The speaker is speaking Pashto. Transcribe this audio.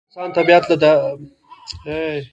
د افغانستان طبیعت له د افغانستان د موقعیت څخه جوړ شوی دی.